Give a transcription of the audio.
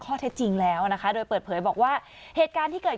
ข้อเท็จจริงแล้วนะคะโดยเปิดเผยบอกว่าเหตุการณ์ที่เกิด